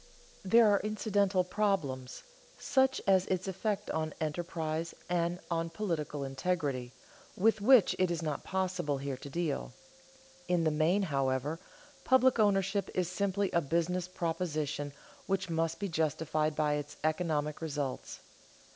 There are incidental problems, such as its effects on enterprise and on political integrity, with which it is not possible here to deal. In the main, however, public ownership is simply a business proposition which must be justified by its economic results.